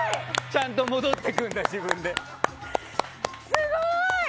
ちゃんと戻ってくんだ、自分で。